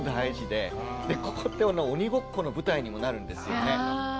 でここって鬼ごっこの舞台にもなるんですよね。